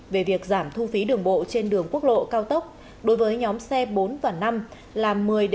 về việc giảm thu phí đường bộ trên đường quốc lộ cao tốc đối với nhóm xe bốn và năm là một mươi ba mươi